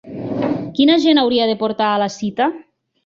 Quina gent hauria de portar a la cita?